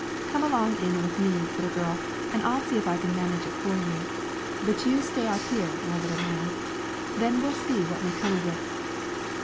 Come along in with me, little girl, and I'll see if I can't manage it for you; but you stay out here, my little man! then we'll see what may come of it.'